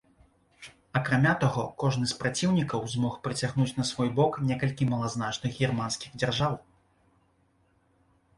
Акрамя таго, кожны з праціўнікаў змог прыцягнуць на свой бок некалькі малазначных германскіх дзяржаў.